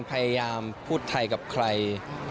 พยายามพูดไทยกับใคร